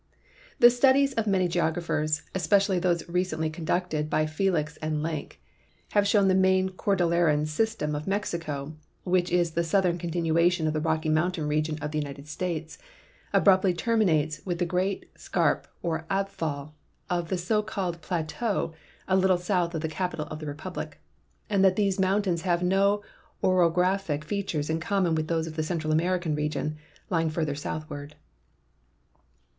The studies of many geographers, especially those recently conducted by Felix and Lenk, have shown that the main cor dilleran system of Mexico, which is the southern continuation of the R(^cky Mountain region of the United States, abruptly terminates with the great scarp or "abfall" of the so called plateau a little south of the capital of the Republic, and that these mountains have no orographic features in common with those of the Central American region lying further southward.